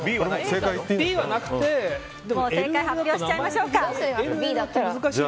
正解を発表しちゃいましょう。